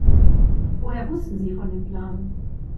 Woher wussten Sie von dem Plan?